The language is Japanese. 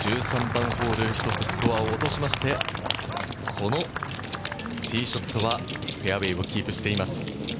１３番ホール、１つスコアを落としまして、このティーショットはフェアウエーをキープしています。